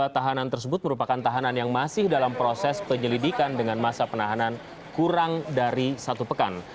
dua tahanan tersebut merupakan tahanan yang masih dalam proses penyelidikan dengan masa penahanan kurang dari satu pekan